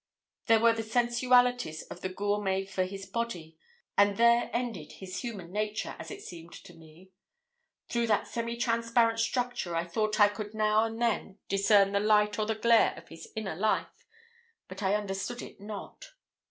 There were the sensualities of the gourmet for his body, and there ended his human nature, as it seemed to me. Through that semi transparent structure I thought I could now and then discern the light or the glare of his inner life. But I understood it not.